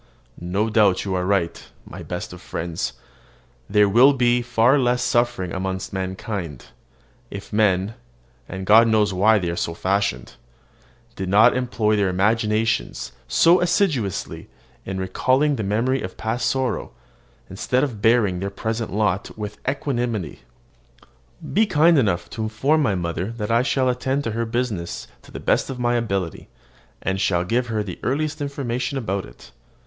No doubt you are right, my best of friends, there would be far less suffering amongst mankind, if men and God knows why they are so fashioned did not employ their imaginations so assiduously in recalling the memory of past sorrow, instead of bearing their present lot with equanimity. Be kind enough to inform my mother that I shall attend to her business to the best of my ability, and shall give her the earliest information about it.